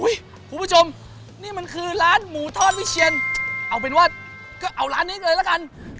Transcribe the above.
คุณผู้ชมนี่มันคือร้านหมูทอดวิเชียนเอาเป็นว่าก็เอาร้านนี้เลยละกัน